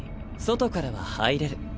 外からは入れる。